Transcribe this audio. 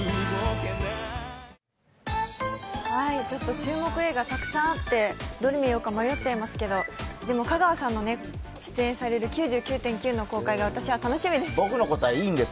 注目映画たくさんあってどれ見ようか迷っちゃいますけど香川さんの出演される「９９．９」の公開が楽しみです。